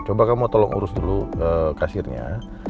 coba kamu tolong urus dulu kasirnya